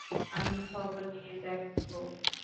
আমি খবর নিয়ে দেখবো।